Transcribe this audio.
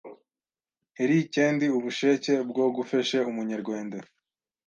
Heri kendi ubusheke bwo gufeshe Umunyerwende